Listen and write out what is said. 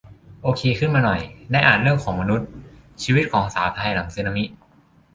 โอเคขึ้นมาหน่อย ได้อ่านเรื่องของมนุษย์ ชีวิตของสาวไทยหลังสึนามิ